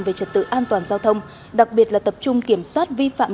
về trật tự an toàn giao thông đặc biệt là tập trung kiểm soát vi phạm